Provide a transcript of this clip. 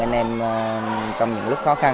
anh em trong những lúc khó khăn